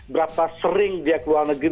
berapa sering dia keluar negeri